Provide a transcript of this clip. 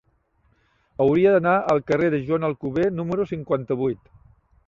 Hauria d'anar al carrer de Joan Alcover número cinquanta-vuit.